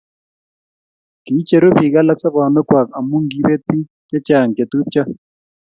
kiicheru biik alak sobonwekwak amu kiibet biik che chang' che tupcho